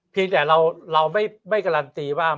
เพียงแต่เราไม่การันตีว่า